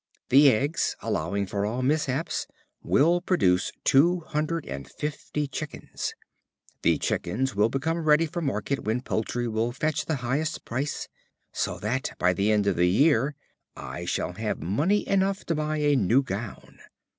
The eggs, allowing for all mishaps, will produce two hundred and fifty chickens. The chickens will become ready for market when poultry will fetch the highest price; so that by the end of the year I shall have money enough to buy a new gown.